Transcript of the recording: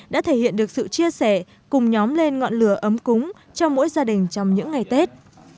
đã thể hiện được sự chia sẻ cùng nhóm lên ngọn lửa ấm cúng cho mỗi gia đình trong những ngày tết